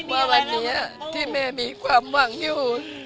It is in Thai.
ว่าวันนี้ที่แม่มีความหวังอยู่